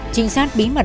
trinh sát bí mật